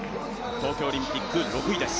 東京オリンピック、６位です。